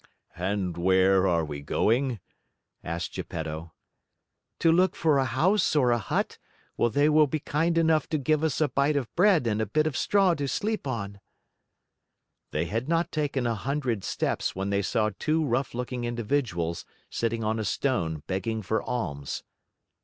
"And where are we going?" asked Geppetto. "To look for a house or a hut, where they will be kind enough to give us a bite of bread and a bit of straw to sleep on." They had not taken a hundred steps when they saw two rough looking individuals sitting on a stone begging for alms.